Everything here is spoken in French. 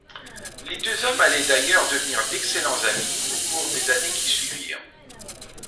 Les deux hommes allaient d'ailleurs devenir d'excellents amis au cours des années qui suivirent.